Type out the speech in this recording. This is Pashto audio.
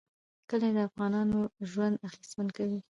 کلي د افغانانو ژوند اغېزمن کوي.